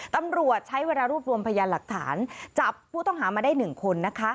ตำรวจใช้เวลารวบรวมพยานหลักฐานจับผู้ต้องหามาได้๑คนนะคะ